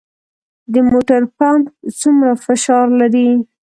د موټر پمپ څومره فشار لري؟